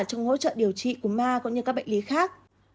trong hỗ trợ điều trị của ma cũng như các bệnh lý khác